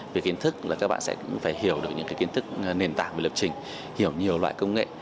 về kiến thức là các bạn sẽ phải hiểu được những kiến thức nền tảng về lập trình hiểu nhiều loại công nghệ